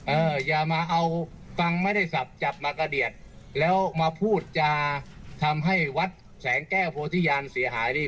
อย่ามาเอาฟังไม่ได้สับจับมากระเดียดแล้วมาพูดจาทำให้วัดแสงแก้วโพธิญาณเสียหายนี่